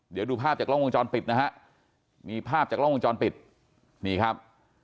เดี๋ยวดูภาพจากกล้องวงจรปิดนะฮะมีภาพจากกล้องวงจรปิดนี่ครับ